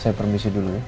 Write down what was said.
saya permisi dulu ya